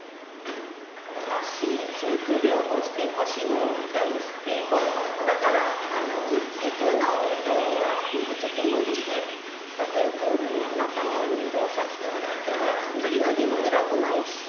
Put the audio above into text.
足、手術、両方して、腰も２回して、だから、陸の運動はちょっと無理で、それでプールの中の運動をさせてもらってます。